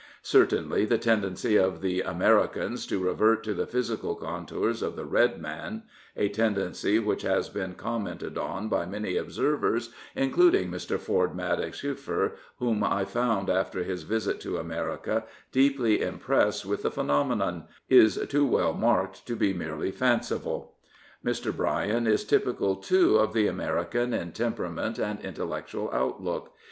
Certainly the tendency of the Americans to revert to the physical contours of the Red Man — a tendency which has been commented on by many observers, including Mr. Ford Madox Hueffer, whom I found after his visit to America deeply impressed with the phenomenon — is too well marked to be merely fanciful. Mr. Bryan is typical, too, of the American in temperament and intellectual outlook.